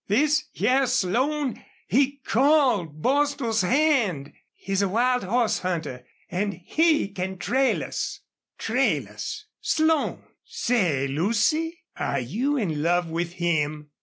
"This hyar Slone he CALLED Bostil's hand!" "He's a wild horse hunter. And HE can trail us!" "Trail us! Slone? Say, Lucy, are you in love with him?"